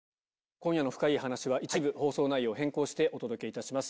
今夜の深イイ話は、一部放送内容を変更して、お届けいたします。